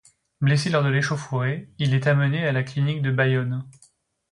Blessé lors de l'échauffourée, il est amené à la clinique de Bayonne.